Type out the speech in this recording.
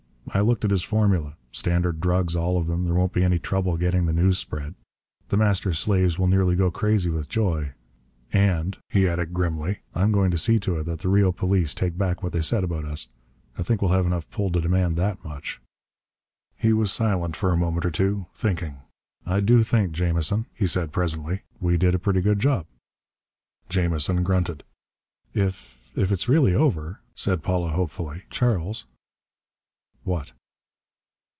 I looked at his formula. Standard drugs, all of them. There won't be any trouble getting the news spread. The Master's slaves will nearly go crazy with joy. And," he added grimly, "I'm going to see to it that the Rio police take back what they said about us. I think we'll have enough pull to demand that much!" He was silent for a moment or so, thinking. "I do think, Jamison," he said presently, "we did a pretty good job." Jamison grunted. "If if it's really over," said Paula hopefully, "Charles " "What?"